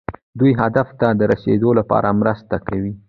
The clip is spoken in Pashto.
دوی هدف ته د رسیدو لپاره مرسته کوي.